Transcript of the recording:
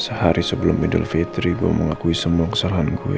sehari sebelum middle v tiga gue mau ngakui semua kesalahan gue